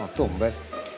oh toh mbak